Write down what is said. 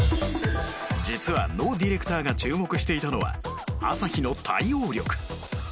実はノディレクターが注目していたのは朝日の対応力